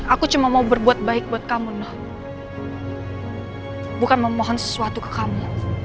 aku cuma mau berbuat baik buat kamu bukan memohon sesuatu ke kamu